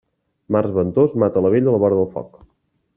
Març ventós mata la vella a la vora del foc.